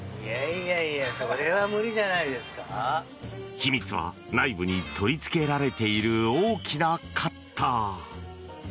秘密は内部に取り付けられている大きなカッター。